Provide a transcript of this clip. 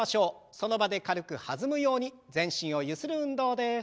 その場で軽く弾むように全身をゆする運動です。